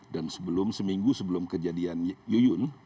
dan seminggu sebelum kejadian yuyun